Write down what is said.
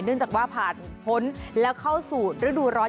จากว่าผ่านพ้นแล้วเข้าสู่ฤดูร้อน